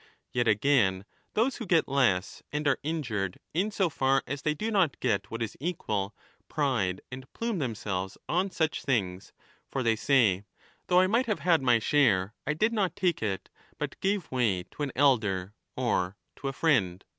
Yet again, those who get less and are injured in so far as they do not get what is equal, pride and plume them selves on such things, for they say, ' Though I might have ao had my share, I did not take it, but gave way to an elder ' or ' to a friend